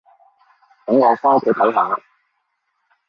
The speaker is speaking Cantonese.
等我返屋企睇下